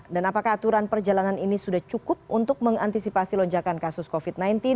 dan apakah aturan perjalanan ini sudah cukup untuk mengantisipasi lonjakan kasus covid sembilan belas